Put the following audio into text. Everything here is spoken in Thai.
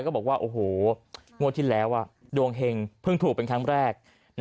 ก็บอกว่าโอ้โหงวดที่แล้วดวงเห็งเพิ่งถูกเป็นครั้งแรก